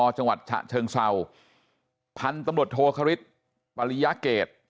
จังหวัดฉะเชิงเศร้าพันธุ์ตำรวจโทคริสปริยเกต